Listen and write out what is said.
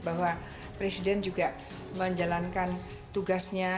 bahwa presiden juga menjalankan tugasnya